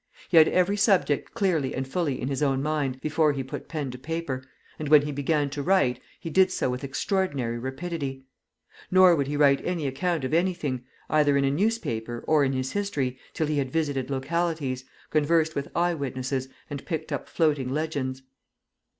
He had every subject clearly and fully in his own mind before he put pen to paper, and when he began to write, he did so with extraordinary rapidity; nor would he write any account of anything, either in a newspaper or in his history, till he had visited localities, conversed with eye witnesses, and picked up floating legends.